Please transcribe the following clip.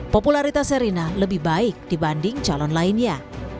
popularitas serina lebih baik dibanding calon lainnya